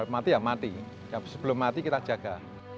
mati ya mati sebelum mati kita jaga